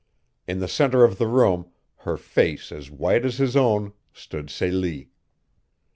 In the center of the room, her face as white as his own, stood Celie.